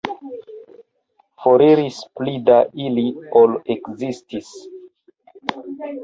Foriris pli da ili, ol ekzistis.